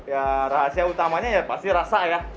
ya rahasia utamanya ya pasti rasa ya